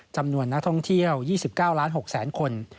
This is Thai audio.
จำนวนนักท่องเที่ยว๒๙๖๐๐๐คน